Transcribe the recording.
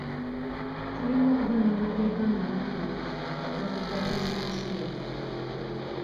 Tulina okuba n'amateeka amalambulukufu agafuga bizinensi yaffe.